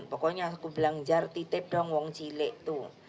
pokoknya aku bilang jar titip dong wong cile itu